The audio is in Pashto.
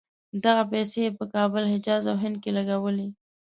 دغه پیسې یې په کابل، حجاز او هند کې لګولې.